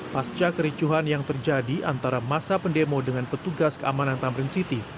pasca kericuhan yang terjadi antara masa pendemo dengan petugas keamanan tamrin city